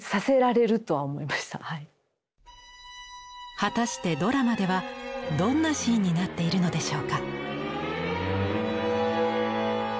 果たしてドラマではどんなシーンになっているのでしょうか？